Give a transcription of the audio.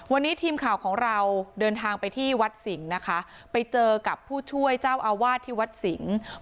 วันนี้ทีมข่าวของเราเดินทางไปที่วัดสิงห์นะคะไปเจอกับผู้ช่วยเจ้าอาวาสที่วัดสิงศ์